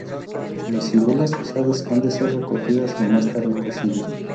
Las ciruelas usadas han de ser recogidas lo más tarde posible.